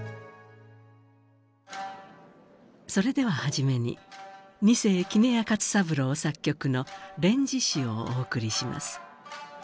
それでは初めに二世杵屋勝三郎作曲の「連獅子」をお送りします。